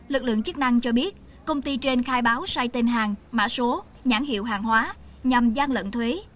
lực lượng chức năng cho biết công ty trên khai báo sai tên hàng mã số nhãn hiệu hàng hóa nhằm gian lận thuế